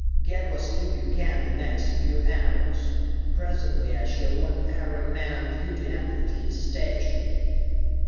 "Get what sleep you can the next few enaros. Presently I shall want every man on duty and at his station."